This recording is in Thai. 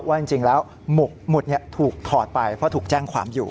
ว่าจริงแล้วหมุดถูกถอดไปเพราะถูกแจ้งความอยู่